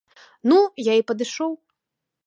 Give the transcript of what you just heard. Ну, я і падышоў.